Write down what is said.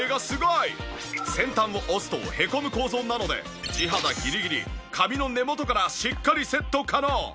先端を押すとへこむ構造なので地肌ギリギリ髪の根元からしっかりセット可能！